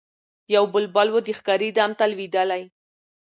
یو بلبل وو د ښکاري دام ته لوېدلی